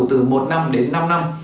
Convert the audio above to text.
từ một năm đến năm năm